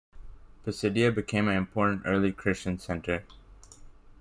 Pisidia became an important early Christian centre.